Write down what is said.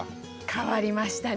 変わりましたね。